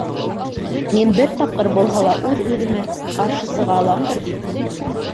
Мин бер тапҡыр булһа ла үҙ үҙемә ҡаршы сыға аламдыр бит.